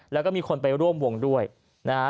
แล้วก็มีคนไปร่วมวงด้วยนะฮะ